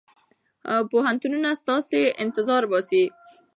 پوهنتونونه ستاسو انتظار باسي.